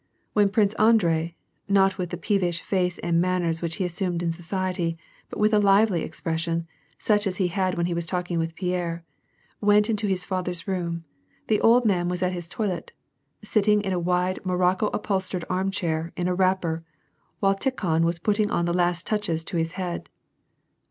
"When Prince Andrei — not with the peevish face and manners which he assumed in society, but with a lively expression, such as he had when he was talking with Pierre — went into his father's room, the old man was at his toilet, sitting in a wide morocco upholstered arm chair in a wrapper, while Tikhon was putting the last touches to his head.